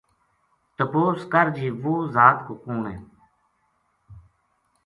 تپوس کر جی وہ ذات کو کون ہے